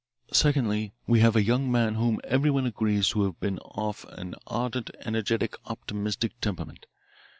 Secondly, we have a young man whom everyone agrees to have been of an ardent, energetic, optimistic temperament.